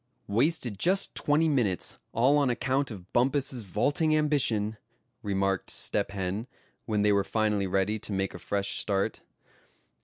"Wasted just twenty minutes, all on account of Bumpus's vaulting ambition," remarked Step Hen, when they were finally ready to make a fresh start.